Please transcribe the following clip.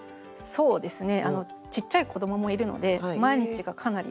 そうですね。